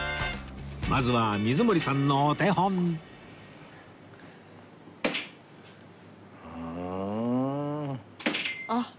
まずは水森さんのお手本ああ。